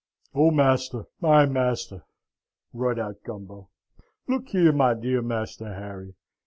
"Oh, master, my master!" roared out Gumbo. "Look here, my dear Master Harry!